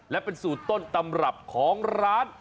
และเป็นสูตรต้นตำรับของร้าน